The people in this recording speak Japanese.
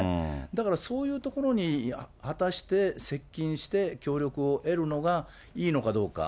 だからそういうところに果たして接近して協力を得るのがいいのかどうか。